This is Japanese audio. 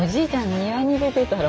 庭に出てたら。